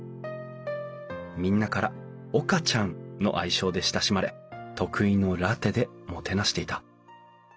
みんなから「岡ちゃん」の愛称で親しまれ得意のラテでもてなしていた。